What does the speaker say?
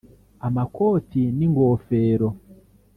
amakoti n’ingofero